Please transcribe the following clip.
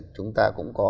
chúng ta cũng có